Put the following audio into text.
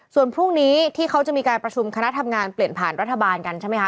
ส่วนพรุ่งนี้ที่เขาจะมีการประชุมคณะทำงานเปลี่ยนผ่านรัฐบาลกันใช่ไหมคะ